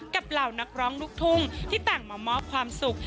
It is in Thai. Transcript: เหล่านักร้องลูกทุ่งที่ต่างมามอบความสุข